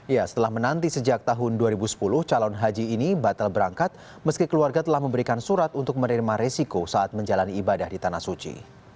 ya setelah menanti sejak tahun dua ribu sepuluh calon haji ini batal berangkat meski keluarga telah memberikan surat untuk menerima resiko saat menjalani ibadah di tanah suci